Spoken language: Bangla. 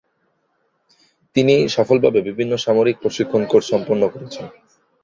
তিনি সফলভাবে বিভিন্ন সামরিক প্রশিক্ষণ কোর্স সম্পন্ন করেছেন।